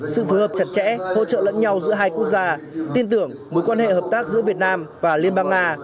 sự phối hợp chặt chẽ hỗ trợ lẫn nhau giữa hai quốc gia tin tưởng mối quan hệ hợp tác giữa việt nam và liên bang nga